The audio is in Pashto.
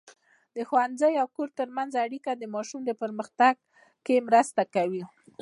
د ښوونځي او کور ترمنځ اړیکه د ماشوم په پرمختګ کې مرسته کوي.